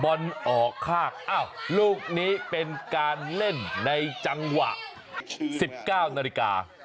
บอลออกข้างอ้าวลูกนี้เป็นการเล่นในจังหวะ๑๙นาฬิกา